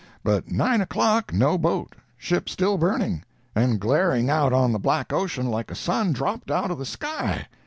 But nine o'clock, no boat; ship still burning, and glaring out on the black ocean like a sun dropped out of the sky.